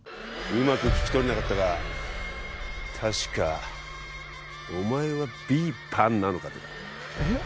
うまく聞き取れなかったが確かお前はビーパンなのか？とかえっ？